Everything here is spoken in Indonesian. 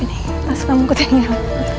ini tas kamu kutenggelam